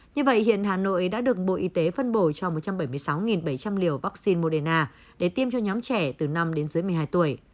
như vậy hiện hà nội đã được bộ y tế phân bổ cho một trăm bảy mươi sáu bảy trăm linh liều vaccine moderna để tiêm cho nhóm trẻ từ năm đến dưới một mươi hai tuổi